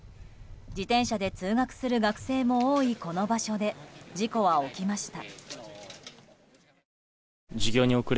自転車で通学する学生も多いこの場所で事故は起きました。